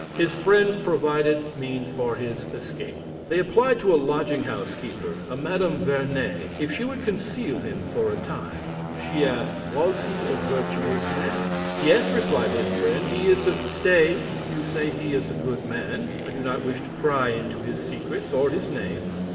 His friends provided means for his escape. They applied to a lodging house keeper, a Madame Vernet, if she would conceal him for a time; she asked was he a virtuous man yes, replied his friend, he is the stay, you say he is a good man, I do not wish to pry into his secrets or his name.